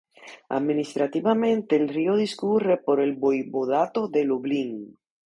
Administrativamente el río discurre por el voivodato de Lublin.